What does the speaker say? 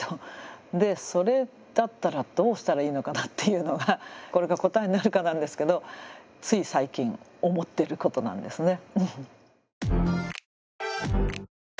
それだったらどうしたらいいのかなっていうのがこれが答えになるかなんですけどつい最近思ってることなんですね。